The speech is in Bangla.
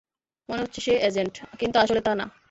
মনে হচ্ছে সে অ্যাজেন্ট, কিন্তু আসলে তা না!